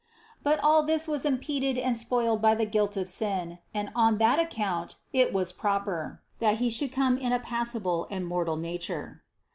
But all this was impeded and spoiled by the guilt of sin and on that account it was proper, that He should come in passible and mortal nature."